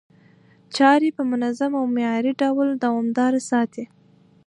چاري په منظم او معياري ډول دوامداره ساتي،